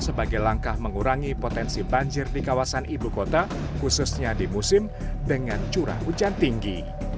sebagai langkah mengurangi potensi banjir di kawasan ibu kota khususnya di musim dengan curah hujan tinggi